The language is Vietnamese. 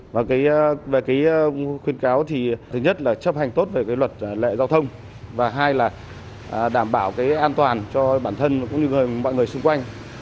và về cái khuyến cáo thì thứ nhất là chấp hành tốt về cái luật lệ giao thông và hai là đảm bảo cái an toàn cho bản thân cũng như mọi người xung quanh